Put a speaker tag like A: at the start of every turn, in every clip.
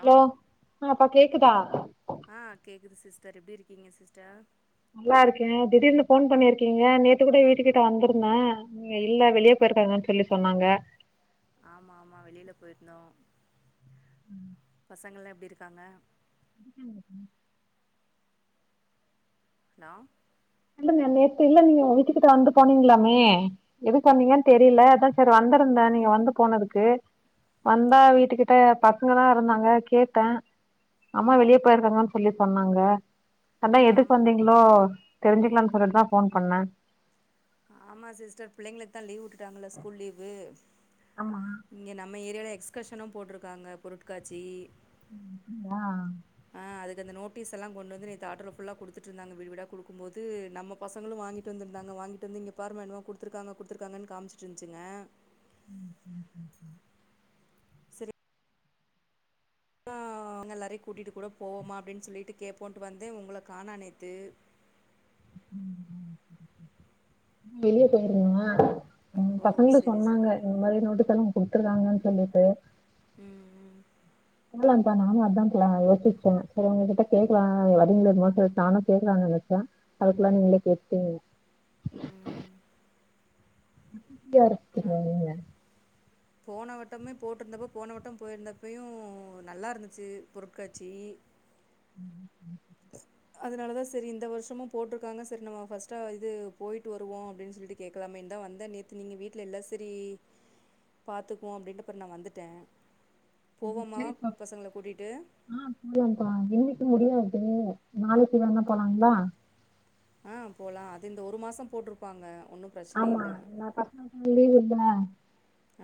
A: Hello ஆ இப்ப கேக்குதா
B: ஆ கேக்குது சிஸ்டர் எப்டி இருக்கீங்க சிஸ்டர்
A: நல்லாருக்கே திடீர்னு ஃபோன் பண்ணிருக்கீங்க நேத்து கூட வீட்டுக்கிட்ட வந்துருந்த நீங்க இல்ல வெளியே போயிருக்காங்கன்னு சொல்லி சொன்னாங்க
B: ஆமா ஆமா வெளியில போயிருந்தோ
A: ம்
B: பசங்கள்லா எப்டி இருக்காங்க
A: ம்
B: ஹலோ
A: இல்லங்க நேத்து இல்ல நீங்க வீட்டுக்கிட்ட வந்து போனீங்ளாமே எதுக்கு வந்தீங்கன் தெரில அதா செரி வந்திருந்தே நீங்க வந்து போனதுக்கு வந்தா வீட்டுக்கிட்ட பசங்கதா இருந்தாங்க கேட்டே அம்மா வெளிய போய்ருக்காங்கன் சொல்லி சொன்னாங்க அதா எதுக்கு
B: ஆம்
A: வந்தீங்ளோ தெரிஞ்சுக்கலான் சொல்லிட்டுதா ஃபோன் பண்ணே
B: ஆமா சிஸ்டர் பிள்ளைங்களுக்குதா லீவ் உட்டுட்டாங்கள ஸ்கூல் லீவு
A: ஆமா
B: இங்க நம்ம ஏரியால எக்ஸ்கர்ஷனு போட்ருக்காங்க பொருட்காட்சி
A: ஆ
B: ஆ அதுக் அந்த நோட்டீஸ் எல்லா கொண்டு வந்து நேத்து ஆட்டோல ஃபுல்லா குடுத்துட்டு இருந்தாங்க வீடு வீடா குடுக்கும் போது நம்ம பசங்களு வாங்கிட்டு வந்திருந்தாங்க வாங்கிட்டு வந்து இங்க பாருமா என்னமோ குடுத்துருக்காங்க குடுத்திருக்காங்கன் காம்ச்சிட்டு இருந்திச்சிங்க
A: ம் ம் ம் ம்
B: செரி அ உங்க எல்லாரையு கூட்டிட்டு கூட போவோமா அப்டின் சொல்லிட்டு கேப்போன்ட்டு வந்தே உங்கள காணோ நேத்து
A: வெளிய போய்ருந்தே ம்
B: ஓ
A: பசங்களு
B: சரி
A: சொன்னாங்க
B: சரி
A: இந்த மாதிரி நோட்டீஸ் எல்லா குடுத்துருக்காங்கன் சொல்லிட்டு
B: ம் ம்
A: [unintelligible] கா நானு அதா கா யோசிச்சே சேரி ஒங்க கிட்ட கேக்லா வரிங்களோ என்னமோ சொல்லி நானு கேட்கலான் நெனச்சே அதுக்குள்ள நீங்களே கேட்டீங்
B: ம்
A: யாரு
B: யாரு போனவட்டமே போட்டிருந்தப்போ போனவட்டம் போயிருந்தப்பயு நல்லா இருந்துச்சு பொருட்காட்சி அதுனாலதா சரி இந்த வருஷமு போட்டிருக்காங்க சரி நம்ம பர்ஸ்ட்டா இது போயிட்டு வருவோ அப்டின்னு சொல்லிட்டு கேக்கலாமேன்னுதா வந்தே நேத்து நீங்க வீட்ல இல்ல சரி பாத்துக்குவோ அப்டின்ட்டுப்புற நா வந்துட்டே போவோமா பசங்ள கூட்டிட்டு
A: ஆ போலாம்ப்பா இன்னைக்கு முடியாது நாளைக்கு வேணா போலாங்ளா
B: ஆ போலா அது இந்த ஒரு மாச போட்ருப்பாங்க ஒன்னு
A: ஆமா நா பசங்களுக்கு லீவு இருக்குல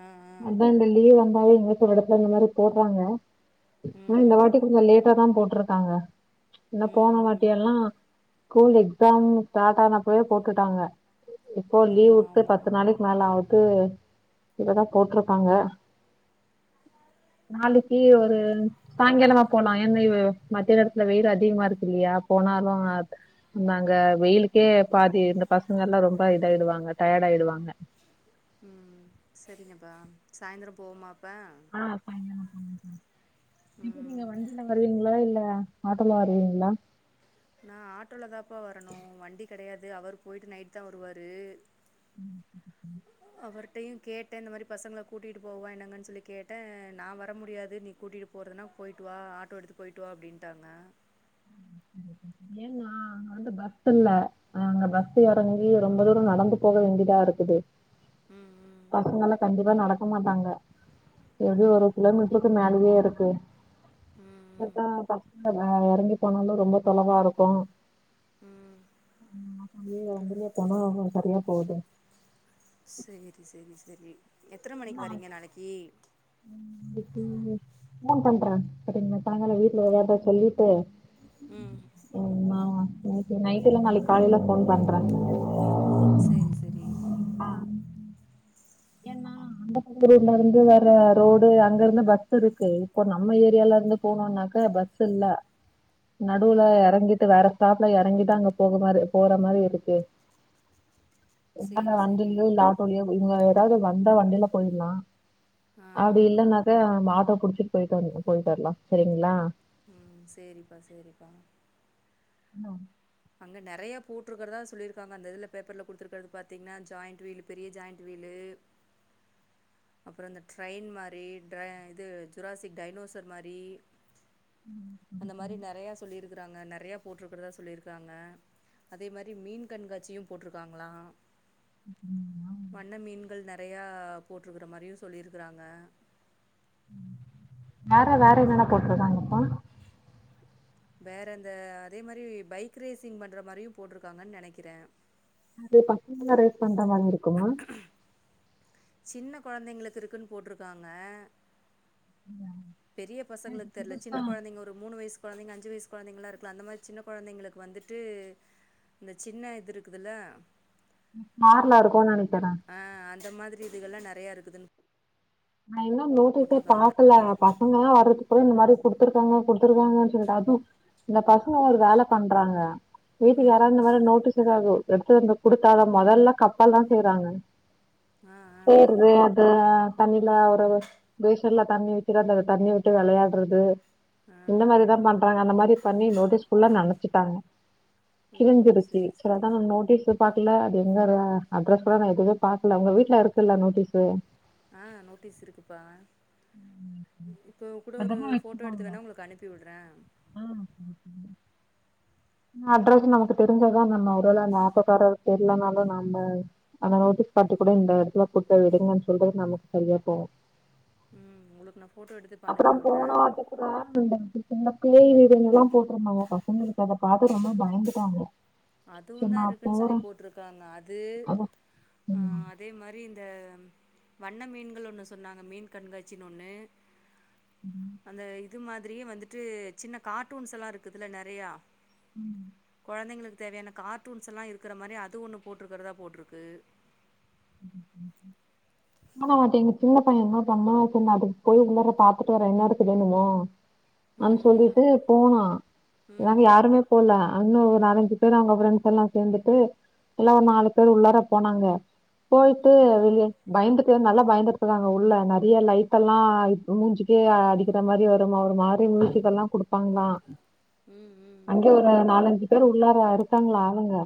B: ஆ ஆ
A: அதா அந்த லீவு வந் எடத்துல இந்த மாரி போட்றாங்க ஆனா இந்த
B: ம் ம்
A: வாட்டி கொஞ்ச லேட்டாதா போட்ரு க்காங்க ஏனா
B: ம்
A: போன
B: ம்
A: வாட் யல்லா ஸ்கூல் எக்ஸாம் ஸ்டார்ட் ஆனப்பயே போட்டுட்டாங்க இப்போ லீவ்
B: ஆமா
A: விட்டு
B: ஆமா
A: பத்து நாளைக்கு மேல ஆகுட்டு இப்பதா போட்ருக்காங்க நாளைக்கு ஒரு சாயங்காலமா போனா ஏன்ன மத்தியான நேரத்துல வெயில் அதிகமா இருக்கு இல்லையா போனாலு நாங்க வெயிலுக்கே பாதி இந்த பசங்க எல்லா ரொம்ப இதாயிடுவாங்க டயட் ஆயிடுவாங்க
B: ம் செரிங்கப்பா சாயந்திர போவமா அப்
A: ஆ [inaudible] நீங்க
B: ம்
A: வண்டில வருவீங்ளா இல்ல ஆட்டோல வருவீங்ளா
B: நா ஆட்டோலதாப்பா வரணு வண்டி கெடையாது அவரு போயிட்டு நைட்தா வருவாரு அவர்டயு கேட் டே இந்த மாரி பசங்கள கூட்டிட்டு போவா என்னங்கன்னு சொல்லி கேட்டே நா வர முடியாது நீ கூட்டிட்டு போ போறதுனா போயிட்டு வா ஆட்டோ எடுத்து போயிட்டு வா அப்டின்ட்டாங்க
A: ஏன்னா அங்க வந்து பஸ் இல்ல அங்க பஸ் எறங்கி ரொம்ப தூரம் நடந்து போக வேண்டியதா இருக்குது
B: ம் ம்
A: பசங்கல்லாம் கண்டிப்பா நடக் க்க மாட்டாங்க எப்டி
B: ம்
A: ஒரு கிலோமீட்டருக்கு மேலயே இருக்கு
B: ம்
A: ப்
B: ம்
A: ப தன் எறங்கி போனாலும் ரொம்ப தொலவா இருக்கும்
B: ம்
A: அ வந்துே போனா அவ சரியா போகுது
B: சரி சரி சரி எத்தன மணிக்கு
A: நா
B: வரிங்க நாளைக்கு
A: [inaudible] போன் பண்றே சரி சாய்ங்கால வீட்ல எதாவது சொல்லிட்டு
B: ம்
A: மா நைட்டு்ல்ல நாளைக்கு காலேல போன் பண்றே
B: செரி செரி
A: அங்கூர்ல இருந்து வர ரோடு அங்க இருந்து பஸ் இருக்கு இப்போ நம்ம ஏரியாலஇருந்து போனோம்னாக்க பஸ் அ இல்ல
B: ஆ ஆ
A: நடுவுல எறங்கிட்டு வேற ஸ்டாப்ல எறங்கிதா அங்க போக போற மாரி இருக்கு என்ன
B: சேரி
A: வண்ட
B: சேரி
A: இல்லா இவங்க ஏதாவது வந்த வண்டில போயிடலா
B: ஆ ஆ
A: அப்படி இல்லன்னா ஆட்டோ புடிச்சட்டு போயிட்டா வ போயிட்டு வரலா சரிங்களா
B: ம் செரிப்பா செரிப்பா
A: னோ
B: அங்க நறைய போட்டிருக்றதா சொல்லிருக்காங்க அந்த இதுல பேப்பர்ல குடுத்துருக்றது பாத்தீங்கன்னா ஜாயிண்ட் வீல் பெரிய ஜாயிண்ட் வீலு
A: [inaudible]
B: அப்றோ இந்த ட்ரெயின் மாரி ட் இது ஜுராசிக் டைனோசர் மாரி
A: [inaudible]
B: அந்த மாரி நறைய சொல்லிருக்கறாங்க நறைய போட்டிருக்கறதா சொல்லிருக் காங்க அதே மாரி மீன் கண்காட்சியு போட்ருக்காங்களாம் வண்ண மீன்கள் நறைய போட்ருக்கற மாரியு சொல்லிருக்றாங்க
A: வேற வேற என்னன்ன போட்டுருதாங்க இப்போ
B: வேறந்த அதே மாரி பைக் ரேசிங் பண்ற மாரியு போட்ருக்காங்கன்னு நனைக்கறே
A: அது பத்து ரேட் பண்ற மாரி இருக்குமா
B: சின்ன கொழந்தைங்களுக்கு இருக்குன்னு போட்ருக்காங்க பெரிய
A: இது
B: பசங்களுக்கு தெர்ல
A: புதுசா
B: சின்ன கொழந்தைங்க மூணு வயசு கொழந்தைங்க அஞ்சு வயசு கொழந்தைங்கலா இருக்குல அந்த மாரி சின்ன குழந்தைங்களுக்கு வந்துட்டு இந்த சின்ன இது இருக்குதுல
A: மார்ல இருக்கும்னு நனைக்கறே
B: அ அந்த மாரி இதுகல்லா நறைய இருக்குதுன்னு
A: நா இன்னு நோட்டீஸே
B: போட்ருக்காங்க
A: பாக்கல பசங்க எல்லா வர்றது போ இந்த மாரி குடுத்துருக்காங்க குடுத்துருக்காங்கன்னு சொல்ட்டு அதுவு இந்த பசங்க ஒரு வேல பண்றாங்க
B: ஆ
A: வீட்டுக்கு யாரா இந்த மாரி நோட்டீஸ் ஏதாவது எடுத்து வந்த கொடுத்தா அத மொதல்ல கப்பல் தா செய்றாங்க
B: ஆ ஆ
A: செயிறது அது தண்ணில ஒரு பேஷின்ல தண்ணி வச்சட்டு அது தண்ணி விட்டு வளையாடுறது
B: ஆ ஆ
A: இந்த மாரிதா பண்றாங்க அந்த மாரி பண்ணி நோட்டீஸ் ஃபுல்லா நனைச்சுட்டாங்க
B: ஓ
A: கிளிஞ்சிருச்சு
B: சேரி
A: சர்
B: சேரி
A: அதா நா நோட்டீஸ் [unintelligible] அது எங்க அட்ரஸ் கூட நா எதுவு பாக்கல உங்க வீட்ல இருக்குல்ல நோட்டீஸ்சு
B: ஆ நோட்டீஸ் இருக்குப்பா இப்போ கூட ஒரு
A: அதெல்லா
B: போட்டோ எடுத்து
A: வச்சுப்பாங்க
B: வேணா உங்குளுக் அனுப் ப்பிவிட்றே
A: [inaudible] அட்ரஸ் நமக்கு தெரிஞ்சாதா நம்ம ஒருவேள அந்த ஆப்பக்கார தெரியலனாலு நம்ம ஆனா நோட்டீஸ் பார்டி கூட இந்த இடத்துல குடுத்த விடுங்கன்னு சொல்றது நமக் செரியா போவு
B: உங்குளுக் நா ஃபோட்டோ எடுத்து இப்போ
A: அப்புறோ
B: அனுப்பி விட்றே
A: போன [unintelligible] சின்னக்குள்ள இது இதுனெல்லா போட்ருந்தாங்க பசங்களுக்கு அத பாத்து ரொம்ப பயந்துட்டாங்க
B: அதுவு
A: சரி
B: தா
A: நா
B: இருக்குன் சொல்லி
A: போறே
B: போட்ருக்காங்க அது ஆ
A: ம்
B: அதே மாரி இந்த வண்ண மீன்கள் ஒன்னு சொன்னாங்க மீன் கண்காட்சின் ஒன்னு
A: [inaudible]
B: அந்த இது மாதிரியே வந்துட்டு சின்ன கார்ட்டூன்ஸ்ல்லா இருக்குதுல நெறையா
A: ம்
B: கொழந்தைங்களுக் தேவையான கார்ட்டூன்ஸல்லா இருக்கற மாரி அது ஒண்ணு போட்டுருக்குறதா போட்டுருக்கு
A: [inaudible] அதா பாத்தே எங்க சின்ன பைய என்ன பண்ணா சேரி அதுக் போய் உள்ளாற பாத்துட்டு வர என்னாருக்குது என்னமோ அன்
B: ம்
A: சொல்லிட்டு போனா
B: ம்
A: யங் யாருமே போல அங்க ஒரு நாலஞ்சு பேர் அங்க ஃப்ரெண்ட்ஸ் எல்லா சேந்துட்டு எல்லா ஒரு நாலு பேர் உள்ளாற போனாங்க போய்ட்டு
B: ம்
A: வெளியே பயந்துட்டு நல்லா பயந்துருக்குறாங்க உள்ள நெறையா லைடெல்லா அ மூஞ்சிக்கே அடிக் கிற மாரி வருமா ஒரு மாரி மியூசிக்கல்லா குடுப்பாங்மா
B: ம் ம் ம்
A: அங்கயே நாலஞ்சு பேர் உள்ளாற இருக்காங்களா அவுங்க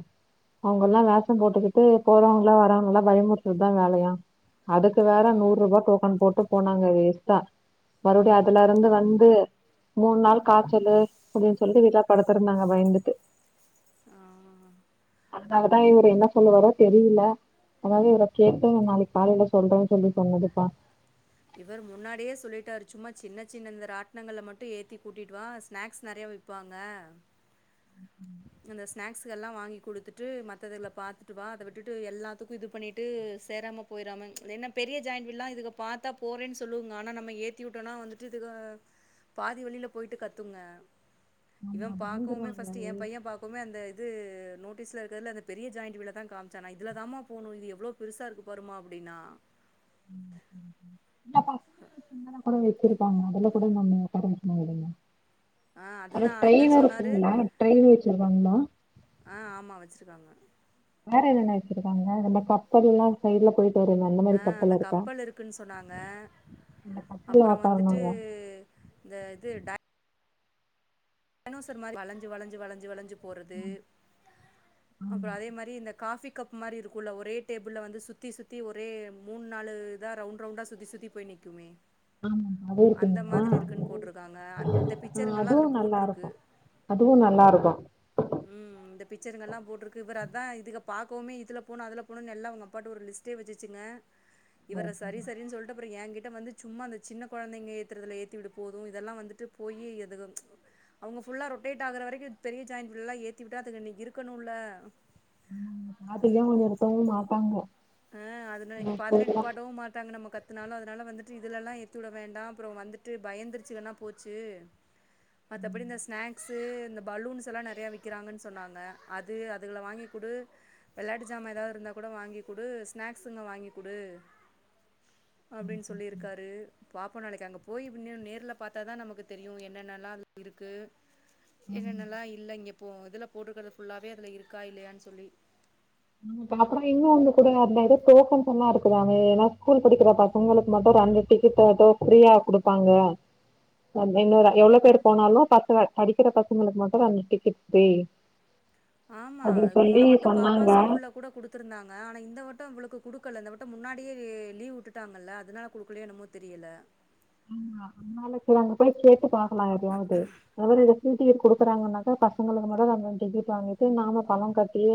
A: அவுங்கல்லா
B: ம்
A: வேஷம்
B: ம்
A: போட்டுக்கிட்டு போறவங்களா வரவங்களா பயமுறுத்துறதுதா வேலையா அதுக்கு
B: ம்
A: வேற
B: ம்
A: நூரூபா டோக்கன் போட்டு போனாங்க வேஸ்ட்டா மறுவடியு அதுலருந்து வந்து மூணு நாள் காய்ச்சல்லு அப்டின் சொல்லி வீட்ல படுத்துருந்தாங்க பயந்துட்டு
B: ஆ
A: அதுக்காக இவுரு என்ன சொல்லுவாரோ தெரியில்ல அதாவது இவ்ளோ கேட்டு நா நாளைக் காலைல சொல்றேன் சொல்லி சொன்னதுப்பா
B: இவர் முன்னாடியே சொல்லிட்டாரு சும்மா சின்ன சின்ன இந்த ராட்னங்கல்ல மட்டு ஏத்தி கூட்டிட்டு வா ஸ்நாக்ஸ் நெறையா விப் ப்பாங்க இந்த ஸ்நாக்ஸகல்லா வாங்கி குடுத்துட்டு மத்ததுல பாத்துட்டு வா அத விட்டுட்டு எல்லாத்துக்கு இது பண்ணிட்டு சேராம போய்றாம ஏன்னா பெரிய ஜாயிண்ட்வீல்லா இதுக பாத்தா போறேன் சொல்லுங்க ஆனா நம்ம ஏத்தி விட்டோனா வந்துட்டு இதுக பாதி வழில போயிட்டு கத்துங்க
A: ஆமா
B: இவ பாக்கவுமே
A: பயந்துருவாங்க
B: ஃபஸ்ட் யா பாக்வுமே அந்த இது நோட்டீஸ்ல இருக்கிறதுல அந்த பெரிய ஜாயிண்ட் வீலதா காமிச்சா நா இதுலதாம்மா போனு இது எவ்ளோ பெருசா இருக்கு பாரும்மா அப்டின்னா
A: ம் ம் ம் இப்ப கூட வெசச்சிருப்பாங்க அதுல கூட நம்ம
B: ஆ
A: [unintelligible] அது
B: அதுதா
A: ட்ரெயின்
B: இவர் சொன்னாரு
A: இருக்குங்களா ட்ரெயின் வெச்சிருக்காங்களா
B: ஆ ஆமா வெச்சிருக்காங்க
A: வேற என்னென்ன வெச்சிருக்காங்க அந்த கப்பல்லா சைட்ல போயிட்
B: ஆ அந்த கப்பல் இருக்குன் சொன்னாங்க
A: அந்த கப்பல்ல
B: அப்பறோ வந்துட்டு
A: ஒக்காரணுங்க
B: இந்த இது டை டைனோசர் மாரி வளஞ்சு வளஞ்சு வளஞ்சு வளஞ்சு போறது
A: ஆமா
B: அப்ரோ அதே மாரி இந்த காபி கப் மாரி இருக்குல்ல ஒரே டேபிள்ல வந்து சுத்தி சுத்தி ஒரே மூணு நாலு த ரவுண்ட்ரவுண்டா சுத்தி சுத்தி போய் நிக்குமே
A: ஆமா அது
B: அந்த
A: இருக்குங்களா
B: மாதிரி இருக்குன்னு போட்ருக்காங்க அந் இந்த
A: ஆ
B: பிக்சருங்கல்லா
A: அதுவு
B: அதுல
A: நல்லா
B: போட்ருக்
A: அதுவு நல்லாருக்கு
B: ம் இந்த பிக்சருங்கல்லா போட்ருக்கு இவரு அதா இதுக பாக்கவுமே இதுல போணு அதுல போணும்னு எல்லா அவங்கப்பாட்ட ஒரு லிஸ்ட் டே வச்சிச்சுங்க இவர்ர சரி சரின்னு சொல்ட்டு அப்ரோ என்கிட்ட வந்து சும்மா இந்த சின்ன கொழந்தைங்க ஏத்துறதுல ஏத்திவிடு போது இதெல்லா வந்துட்டு போயி அதுக அவங்க ஃபுல்லா ரொட்டேட் ஆகுற வரைக்கு பெரிய ஜாயின்ஃபுல்லா ஏத்திவிட்டா அதுக இருக்கணும்ல
A: ம் அப்டிதா ஒவ்வொருத்தவங்க மாட்டாங்க
B: ஆ அதுல இ பாதிலே நிப்பாட்டவும் மாட்டாங்க நம்ம கத் தினாலு அதனால வந்துட்டு இதுலல்லா ஏத்தி விட வேண்டாம் அப்புரோ வந்துட்டு பயந்துருச்சுகனா போச்சு
A: ம்
B: மத்தபடி இந்த ஸ்நாக்ஸ் இந்த பலூன்ஸ்ல்லா நெறையா விக்கிறாங்கன்னு சொன்னாங்க அது அதுகள வாங்கிக் குடு வெளையாட்டு ஜாமா ஏதாவது இருந்தா கூட வாங்கி குடு ஸ்நாக்ஸ்ங்க வாங்கி குடு
A: ம்
B: அப்டின்னு சொல்லிருக்காரு பாப்போ நாளைக்கு அங்க போய் இனு நேர்ல பாத்தாதா நமக்கு தெரியு என்னென்னல்லா அதுல இருக்கு
A: ஆமா
B: என்னென்னல்லா இல்ல இங்கப்போ இதுல போட்டுக்கற ஃபுல்லாவே அதுல இருக்கா இல்லையான்னு சொல்லி
A: ஆ பாப்போ இன்னு வந்து கூட அதுல ஏதோ டோக்கன்ஸ் எல்லா இருக்குதாமே ஏன்னா ஸ்கூல் படிக்கிற பசங்ங்களுக்கு மட்டு ரண்டு டிக்கட்டு் ஏதோ ஃப்ரீயா குடுப்பாங்க இன்னொரு எவ்ளோ பேரு போனாலு பசங்க படிக்கிற பசங்களுக்கு மட்டு த ரெண்டு டிக்கட் ஃப்ரீ
B: ஆமா
A: அப்படின்னு சொல்லி
B: போன வட்டம் பாப்பா
A: சொன்னாங்க.
B: ஸ்கூல்ல கூட குடுத் கொடுத்துருந்தாங்க ஆனா இந்த வட்டம் இவளுக்கு கொடுக்கல இந்த வட்டம் முன்னாடியே லீவ் விட்டுட்டாங்கல்ல அதனால கொடுக்கலையோ என்னமோ தெரியல
A: ஆமா அம்மாளுக்கு அங்க போய் கேட்டு பாக்கலா எதயாவது [unintelligible] டிக்கெட் குடுக்குறாங்கன்னா பசங்களுக்கு மட்டு டிக்கெட் வாங்கிட்டு நாம பழம் கட்டி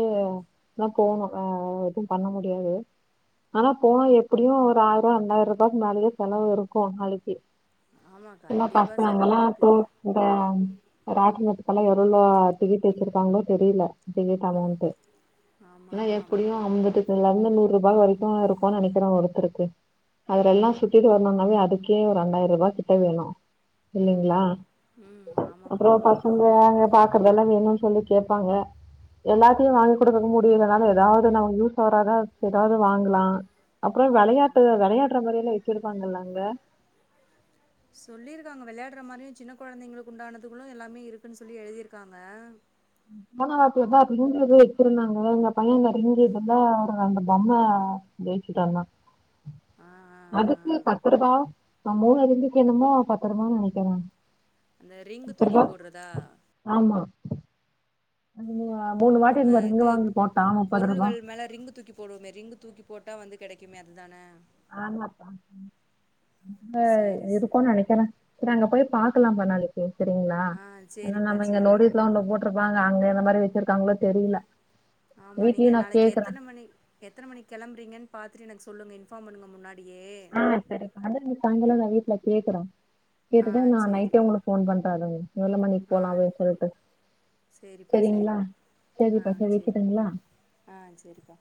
A: போணு ஆ எது பண்ண முடியாது ஆனா போன எப்படியு ஒரு ஆயிருவா ரெண்டாயிர ரூபாய்க்கு மேலேயே செலவு இருக்கு நாளைக்கு
B: ஆமா,
A: எல்லா
B: கண்டிப்பா செலவு
A: பசங்கங்ளா
B: இருக்கு.
A: போ இந்த ராட்டநத்துக்கெல்லா எவ்வளோ டிகட்டு வச்சிருக்காங்களோ தெரியல டிக்கட் அமௌண்ட்
B: ஆமா,
A: ஆனா
B: ஆமா.
A: எப்டியு அம்பது இதுல இருந்து நூறு ரூபா வரைக்கு இருக்குனு நெனைக்கிறே ஒருத்தருக்கு அதுல எல்லா சுட்டிட்டு வரணும்னாவே அதுக்கு இதுலே ரெண்டாயிரரூபா கிட்ட வேணு இல்லைங்களா
B: ஆமா. ம். ஆமாப்பா.
A: அப்பரோ பசங்க பாக்குறதெல்லா வேணும்னு சொல்லி கேப்பாங்க எல்லாத்தையு வாங்கிகுடுக்க முடி அப்டி இல்லனாலு ஏதாவது ஒன்ன [unintelligible] சோறதா எதாது வாங்கலா அப்ரோ
B: ம்.
A: வெளையாட்டு வெளையாடுற மாரில்லா வச்சிருப்பாங்காங்க ல அங்க
B: சொல்லியிருக்காங்க வெளையாடுற மாரியு சின்ன கொழந்தைங்களுக்கு உண்டானதுகளு எல்லாமே இருக்குன்னு சொல்லி எழுதியிருக்காங்க
A: மன வாத்தியதா ரிங்கிது வச்சிருந்தாங்க எங்க பையன்ங்க ரிங்கியதுல ரெண்டு பொம்மை ஜெயிச்சிடானா
B: ஆ, ஆ,
A: அதுக்கு
B: ஆ.
A: பத்து ரூபா நா மூணுதுந்துகு என்னமோ பத்துருபான்னு ற நெனைக்கிறே
B: அந்த ரிங்கு தூக்கி போட்றதா
A: ஆமா [unintelligible] மூணு வாட்டி
B: நம்ம
A: இந்த ரிங்கு
B: இது
A: வாங்கி போட்டான் முப்பது ரூபா
B: பொருள்கள் மேல ரிங்கு தூக்கி போடுவோம ரிங்க் தூக்கி போட்டா வந்து கெடைக்குமே அது தான
A: ஆமாப்பா அங்க
B: சரி, ச
A: இருக்குனு நெனைக்கறே சேரி அங்க போயி பாக்கலாப்பா நாளைக்கு சேரிங்களா
B: ஆ
A: ஏனா
B: சேரிப்பா
A: நம்ம இங்க
B: சேரி
A: [unintelligible] ஒ போ இருப்பாங்க அங்க எந்த மாரி வெச்சிருக்காங்களோ தெரில
B: ஆமா நீங்க நாளைக்கு எத்தன மணி எத்தன மணிக் கிளம்புங்றீங்கனு பாத்துட்டு எனக்கு சொல்லுங்க இன்ஃபார்ம் பண்ணுங்க முன்னாடியே
A: தங்கச்சிக் சாயங்காலம் வீட்ல கேக்குறோ
B: ஆ
A: இதுக்தா நா
B: சேரி
A: நைட்டே உங்ளுக்கு ஃபோன் பண்றதுங்க எவ்வுள மணிக்கு
B: ஆ
A: போலா அப்டினு சொல்ட்டு
B: சேரிப்பா சேரி
A: சேரிங்களா சேரிப்பா சேரி வக்கிட்டுங்ளா
B: ஆ சேரிப்பா